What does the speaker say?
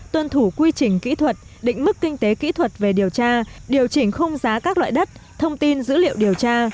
tuân thủ quy trình kỹ thuật định mức kinh tế kỹ thuật về điều tra điều chỉnh khung giá các loại đất thông tin dữ liệu điều tra